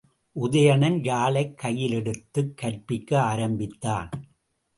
உதயணன் யாழைக் கையிலெடுத்துக் கற்பிக்க ஆரம்பித்தான்.